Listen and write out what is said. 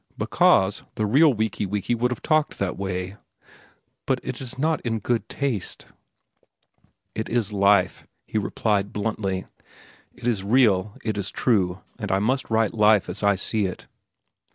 "Because the real Wiki Wiki would have talked that way." "But it is not good taste." "It is life," he replied bluntly. "It is real. It is true. And I must write life as I see it."